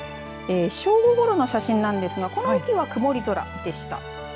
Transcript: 正午ごろの写真なんですがこのときは曇り空でした。